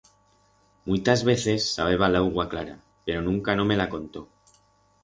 Muitas veces sabeba l'augua clara, pero nunca no me la contó.